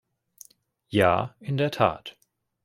Ja, in der Tat.